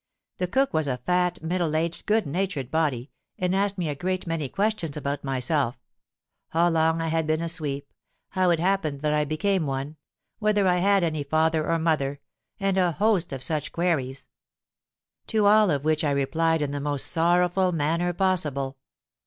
The cook was a fat, middle aged, good natured body, and asked me a great many questions about myself,—how long I had been a sweep—how it happened that I became one—whether I had any father or mother—and a host of such queries; to all of which I replied in the most sorrowful manner possible.